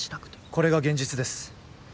これが現実です。